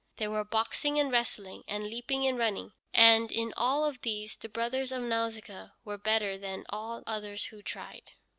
There were boxing and wrestling and leaping and running, and in all of these the brothers of Nausicaa were better than all others who tried.